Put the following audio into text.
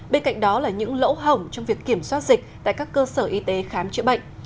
bên cạnh đó là những lỗ hỏng trong việc kiểm soát dịch tại các cơ sở y tế khám chữa bệnh